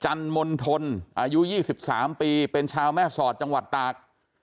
จันมนฐนอายุยี่สิบสามปีเป็นชาวแม่สอดจังหวัดตาก